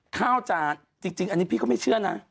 ข้าวจานจริงอันนี้พี่ก็ไม่เชื่อนะ